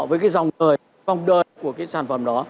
với cái dòng đời của cái sản phẩm đó